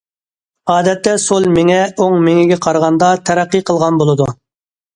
ئادەتتە سول مېڭە ئوڭ مېڭىگە قارىغاندا تەرەققىي قىلغان بولىدۇ.